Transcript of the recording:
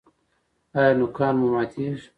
ایا نوکان مو ماتیږي؟